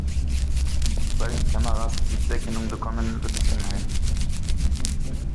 Sobald die Kameras Gesichtserkennung bekommen, wird es unheimlich.